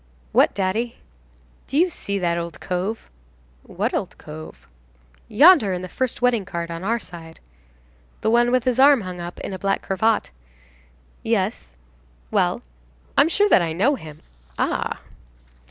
"What, daddy?" "Do you see that old cove?" "What old cove?" "Yonder, in the first wedding cart, on our side." "The one with his arm hung up in a black cravat?" "Yes." "Well?" "I'm sure that I know him." "Ah!"